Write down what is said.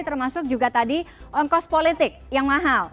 termasuk juga tadi on cost politik yang mahal